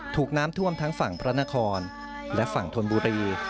ถูกน้ำท่วมทั้งฝั่งพระนครและฝั่งธนบุรี